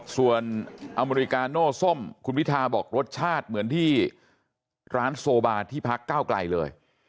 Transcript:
ส่วนอเมริกาโน่ส้มคุณวิทาบอกรสชาติเหมือนที่ร้านโซบาที่พักเก้าไกลเลย